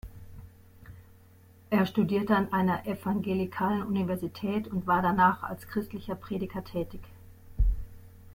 Er studierte an einer evangelikalen Universität und war danach als christlicher Prediger tätig.